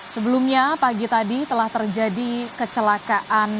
sebelumnya pagi tadi telah terjadi kecelakaan